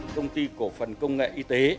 công ty cổ phần công nghệ y tế